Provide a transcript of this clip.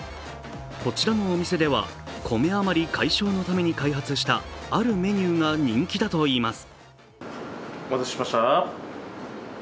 こちらのお店ではコメ余り解消のために開発したあるメニューが人気だといいます。